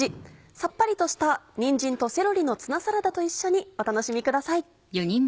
さっぱりとした「にんじんとセロリのツナサラダ」と一緒にお楽しみください。